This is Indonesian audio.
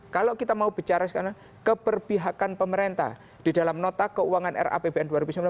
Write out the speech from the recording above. kalau kita mau bicara sekarang keberpihakan pemerintah di dalam nota keuangan rapbn dua ribu sembilan belas